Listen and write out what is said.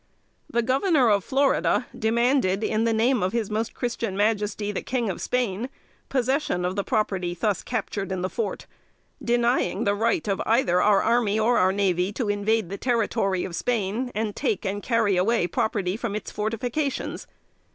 The Governor of Florida demanded, in the name of "his Most Christian Majesty the king of Spain," possession of the property thus captured in the fort; denying the right of either our army or navy to invade the territory of Spain, and take and carry away property from its fortifications.